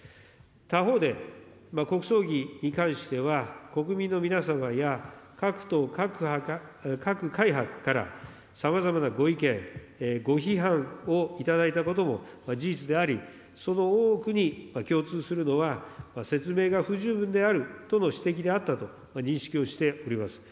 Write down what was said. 他方で、国葬儀に関しては、国民の皆様や各党、各会派からさまざまなご意見、ご批判をいただいたことも事実であり、その多くに共通するのは、説明が不十分であるとの指摘であったと認識をしております。